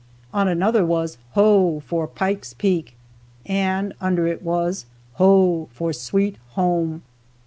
On another was, "Ho for Pike's Peak;" under it was, "Ho for Sweet Home."